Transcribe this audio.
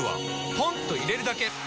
ポンと入れるだけ！